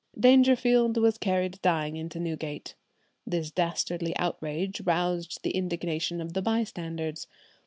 "Dangerfield was carried dying into Newgate. This dastardly outrage roused the indignation of the bystanders.